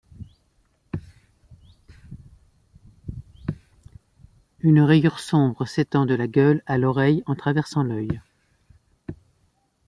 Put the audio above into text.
Une rayure sombre s'étend de la gueule à l'oreille en traversant l’œil.